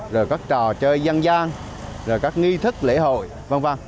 rồi các trò chơi dân gian rồi các nghi thức lễ hội v v